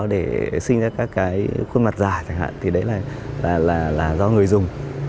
để sinh ra các cái khuôn mặt giả chẳng hạn thì đấy là do người dùng